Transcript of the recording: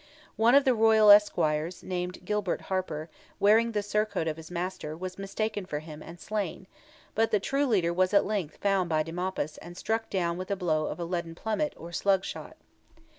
One of the royal esquires, named Gilbert Harper, wearing the surcoat of his master, was mistaken for him, and slain; but the true leader was at length found by de Maupas, and struck down with the blow of a leaden plummet or slung shot.